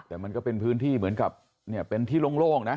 แต่มันก็เป็นพื้นที่เหมือนกับเป็นที่โล่งนะ